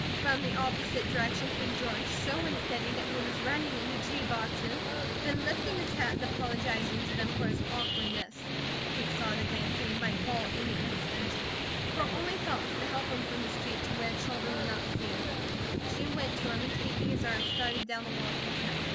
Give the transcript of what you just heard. From the opposite direction came George, so unsteady that he was running into tree boxes, then lifting his hat and apologizing to them for his awkwardness. Kate saw at a glance that he might fall any instant. Her only thought was to help him from the street, to where children would not see him. She went to him and taking his arm started down the walk with him.